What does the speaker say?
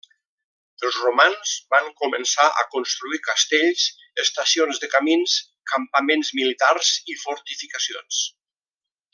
Els romans van començar a construir castells, estacions de camins, campaments militars i fortificacions.